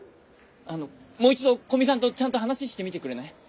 もう一度古見さんとちゃんと話してみてくれない？